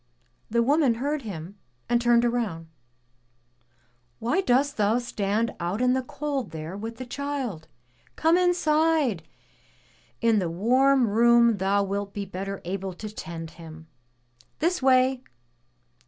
*' The woman heard him and turned round. "Why dost thou stand out in the cold there with the child? Come inside! In the warm room thou wilt be better able to tend him. This way!''